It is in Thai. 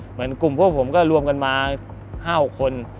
เหมือนกลุ่มพวกผมก็รวมกันมา๕๖คน